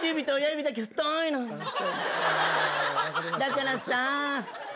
だからさ。